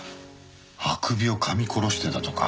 あくびをかみ殺してたとか。